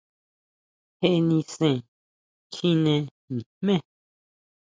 ¿Jé nisen kjine nijme?